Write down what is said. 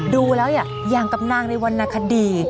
ดูแล้วอย่างกับนางในวรรณคดี